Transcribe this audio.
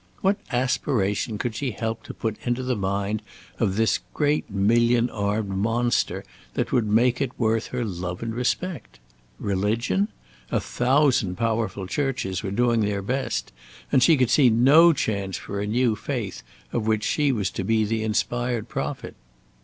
What aspiration could she help to put into the mind of this great million armed monster that would make it worth her love or respect? Religion? A thousand powerful churches were doing their best, and she could see no chance for a new faith of which she was to be the inspired prophet.